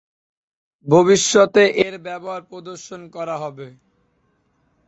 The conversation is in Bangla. ভবিষ্যতে এর ব্যবহার প্রদর্শন করা হবে।